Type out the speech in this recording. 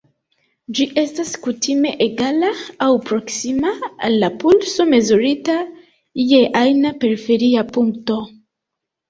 Ĝi estas kutime egala aŭ proksima al la pulso mezurita je ajna periferia punkto.